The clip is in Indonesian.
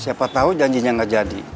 siapa tahu janjinya gak jadi